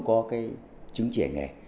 không có cái chứng chỉ hành nghề